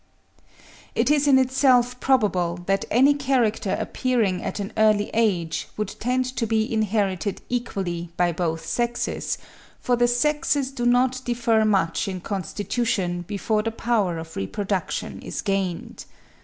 It is in itself probable that any character appearing at an early age would tend to be inherited equally by both sexes, for the sexes do not differ much in constitution before the power of reproduction is gained.